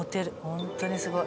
ホントにすごい。